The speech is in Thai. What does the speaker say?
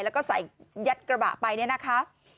แล้วก็ใส่แย็ดกระเป๋าไปนะครับ